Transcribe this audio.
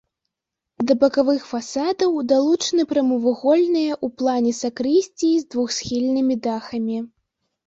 Да бакавых фасадаў далучаны прамавугольныя ў плане сакрысціі з двухсхільнымі дахамі.